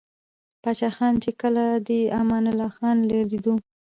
پاچاخان ،چې کله دې امان الله خان له ليدلو o